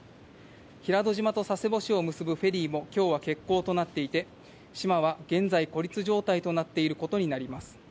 平戸島と佐世保市を結ぶフェリーもきょうは欠航となっていて、島は現在、孤立状態となっていることになります。